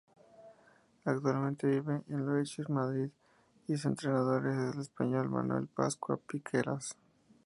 Actualmente vive en Loeches, Madrid, y su entrenador es el español Manuel Pascua Piqueras.